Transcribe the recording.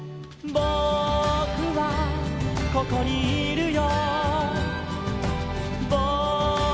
「ぼくはここにいるよ」